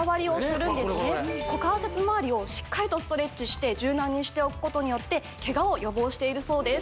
ねっこれこれこれ股関節まわりをしっかりとストレッチして柔軟にしておくことによって怪我を予防しているそうです